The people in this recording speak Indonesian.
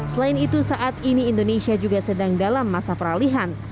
selain itu saat ini indonesia juga sedang dalam masa peralihan